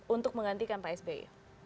untuk menggantikan pak sby